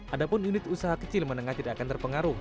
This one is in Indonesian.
adapun unit usaha kecil menengah tidak akan terpengaruh